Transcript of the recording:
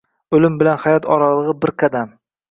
O‘lim bilan hayot oralig‘i bir qadaml